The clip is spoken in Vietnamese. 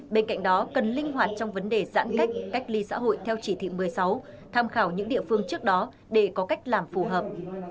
bên cạnh đó cần linh hoạt trong vấn đề giãn cách cách ly xã hội theo chỉ thị một mươi sáu tham khảo những địa phương trước đó để có cách làm phù hợp